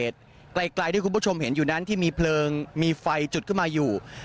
ไกลที่คุณผู้ชมเห็นอยู่นั้นที่มีเพลิงมีไฟจุดขึ้นมาอยู่